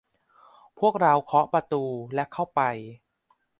พวกเราเคาะประตู และเข้าไป